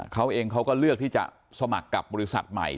เขาเองเขาก็เลือกที่จะสมัครกับบริษัทใหม่